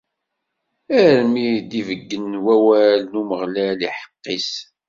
Armi i d-ibeyyen wawal n Umeɣlal lḥeqq-is.